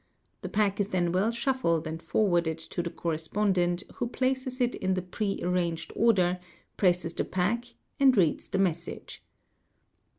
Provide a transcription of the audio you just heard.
The pack is then well shuffled and _ forwarded to the correspondent who places it in the pre arranged order, presses the pack, and reads the message.